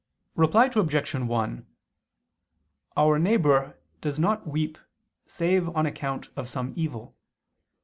Reply Obj. 1: Our neighbor does not weep save on account of some evil.